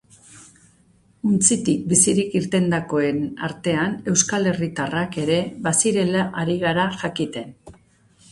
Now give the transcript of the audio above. Untzitik bizirik irtendakoen artean euskal herritarrak ere bazirela ari gara jakiten.